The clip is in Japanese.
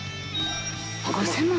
５０００万